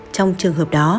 trong trường hợp đó